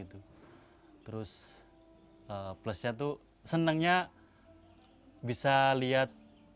terus plusnya tuh senangnya bisa lihat